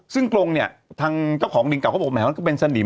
ซึ่งกรงเนี่ยทางเจ้าของลิงเก่าเขาบอกแหมมันก็เป็นสนิม